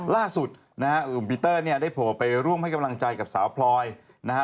ล่าสุดนะฮะอุ่มปีเตอร์เนี่ยได้โผล่ไปร่วมให้กำลังใจกับสาวพลอยนะฮะ